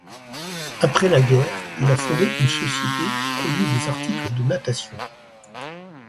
Après la guerre, il a fondé une société qui produit des articles de natation.